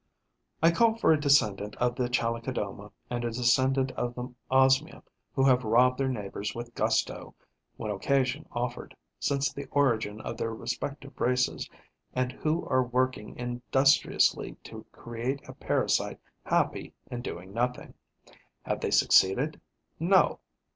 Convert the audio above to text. I call for a descendant of the Chalicodoma and a descendant of the Osmia who have robbed their neighbours with gusto, when occasion offered, since the origin of their respective races, and who are working industriously to create a parasite happy in doing nothing. Have they succeeded? No.